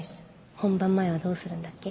本番前はどうするんだっけ？